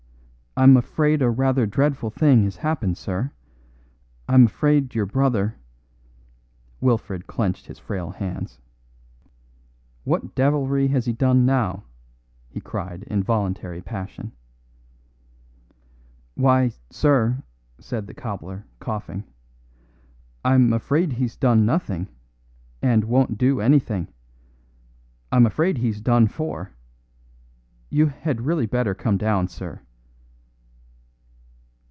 I'm afraid a rather dreadful thing has happened, sir. I'm afraid your brother " Wilfred clenched his frail hands. "What devilry has he done now?" he cried in voluntary passion. "Why, sir," said the cobbler, coughing, "I'm afraid he's done nothing, and won't do anything. I'm afraid he's done for. You had really better come down, sir."